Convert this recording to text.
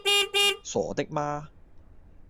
傻的嗎?